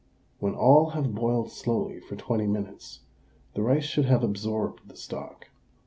When all have boiled slowly for 20 minutes, the rice should have absorbed the stock.